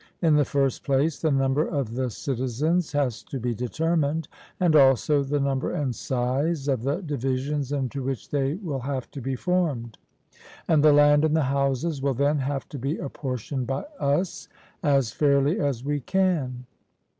In the first place, the number of the citizens has to be determined, and also the number and size of the divisions into which they will have to be formed; and the land and the houses will then have to be apportioned by us as fairly as we can.